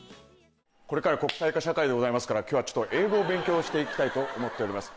これから国際化社会でございますから今日はちょっと英語を勉強して行きたいと思っております。